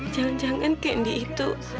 jangan jangan candy itu